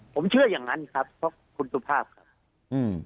ผมเชื่ออย่างนั้นครับเพราะคุณสุภาพครับอืม